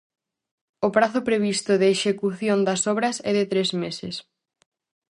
O prazo previsto de execución das obras é de tres meses.